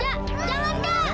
jangan kak jangan